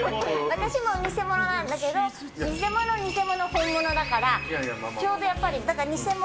私も偽物なんだけども、偽物、偽物、本物だから、ちょうどやっぱり偽物。